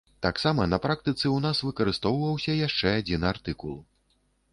Таксама на практыцы ў нас выкарыстоўваўся яшчэ адзін артыкул.